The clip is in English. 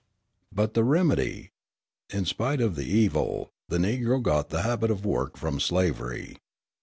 But the remedy! In spite of the evil the Negro got the habit of work from slavery.